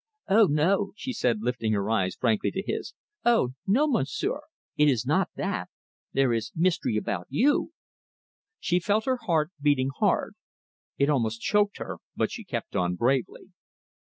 "Oh, no," she said, lifting her eyes frankly to his: "oh, no, Monsieur! It is not that. There is mystery about you!" She felt her heart beating hard. It almost choked her, but she kept on bravely.